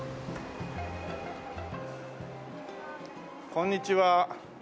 こんにちは。